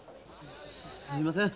すすいません。